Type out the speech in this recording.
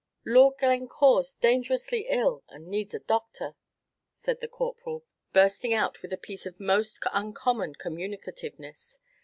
"Lord Glencore's dangerously ill, and needs a doctor," said the Corporal, bursting out with a piece of most uncommon communicativeness.